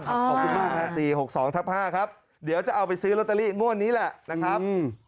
ขอบคุณมาก๔๖๒ทับ๕ครับเดี๋ยวจะเอาไปซื้อลอตเตอรี่งวดนี้แหละนะครับ